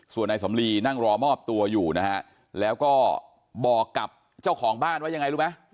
ส่วนนายสำลีนั่งรอมอบตัวอยู่นะฮะแล้วก็บอกกับเจ้าของบ้านว่ายังไงรู้ไหม